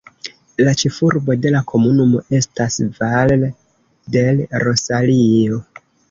La ĉefurbo de la komunumo estas Valle del Rosario.